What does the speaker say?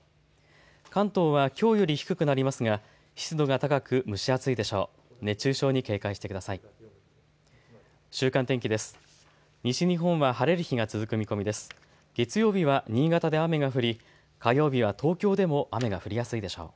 関東はきょうより低くなりますが湿度が高く蒸し暑いでしょう。